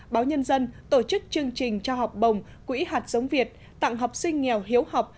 báo nhân dân tổ chức chương trình trao học bổng quỹ hạt giống việt tặng học sinh nghèo hiếu học